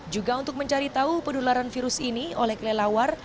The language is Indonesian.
juga untuk mencari tahu penularan virus ini oleh kelelawar